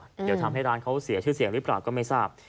เดี๋ยวทำให้ร้านเขาเสียชื่อเสียงหรือเปล่าก็ไม่ทราบ